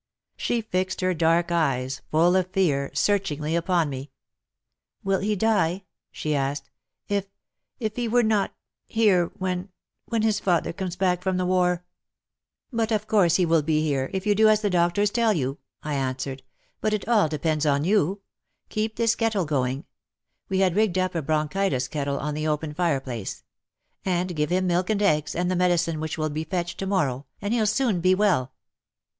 She fixed her dark eyes, full of fear, search ingly upon me. "Will he die?" she asked. '* If — if he were not — here — when — when his father comes back from the war !" i84 WAR AND WOMEN But of course he will be here — if you do as the doctors tell you," I answered. But it all depends on you. Keep this kettle going" — we had rigged up a bronchitis kettle on the open fireplace — and give him milk and eggs and the medicine which will be fetched to morrow, and he'll soon be well."